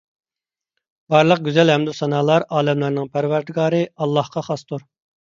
بارلىق گۈزەل ھەمدۇسانالار ئالەملەرنىڭ پەرۋەردىگارى ئاللاھقا خاستۇر